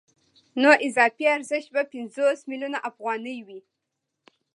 نو اضافي ارزښت به پنځوس میلیونه افغانۍ وي